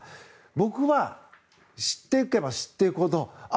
僕は知っていけば知っていくほどああ